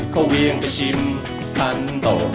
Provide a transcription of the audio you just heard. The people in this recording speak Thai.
เขาเวียงก็ชิมคันโต